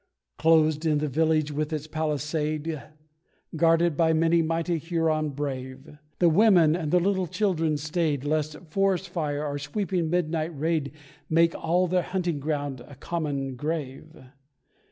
Closed in the village with its palisade, Guarded by many a mighty Huron brave, The women and the little children stayed, Lest forest fire or sweeping midnight raid Make all their hunting ground a common grave.